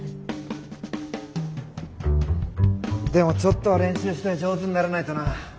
でもちょっとは練習して上手にならないとな。